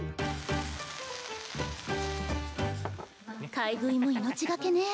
買い食いも命懸けね。